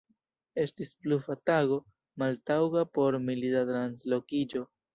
Estis pluva tago, maltaŭga por milita translokiĝo.